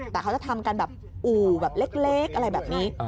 แต่เขาจะทำกันแบบอู่แบบเล็กอะไรแบบนี้